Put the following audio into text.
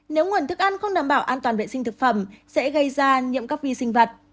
nếu nguồn thức ăn không đảm bảo an toàn vệ sinh thực phẩm sẽ gây ra nhiễm các vi sinh vật